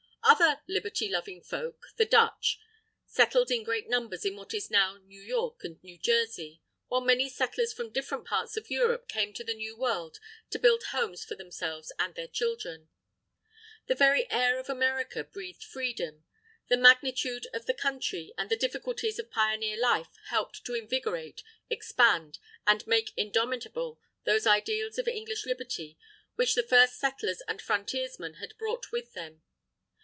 Other liberty loving folk, the Dutch, settled in great numbers in what is now New York and New Jersey; while many settlers from different parts of Europe, came to the New World to build homes for themselves and their children. The very air of America breathed freedom. The magnitude of the country and the difficulties of pioneer life helped to invigorate, expand, and make indomitable those ideals of English Liberty which the first settlers and frontiersmen had brought with them.